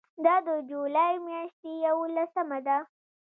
دا د جولای میاشتې یوولسمه ده.